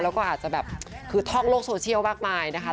แล้วก็อาจจะแบบคือท่องโลกโซเชียลมากมายนะคะ